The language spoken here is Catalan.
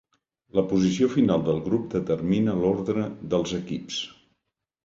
La posició final del grup determina l'ordre dels equips.